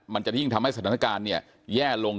มันจะยิ่งทำให้สถานการณ์เนี่ยแย่ลง